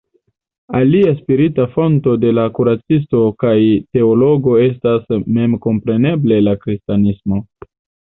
Alia spirita fonto de la kuracisto kaj teologo estas memkompreneble la kristanismo.